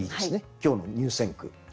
今日の入選句。